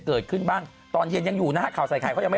เกิดขึ้นบ้างตอนเย็นยังอยู่นะฮะข่าวใส่ไข่เขายังไม่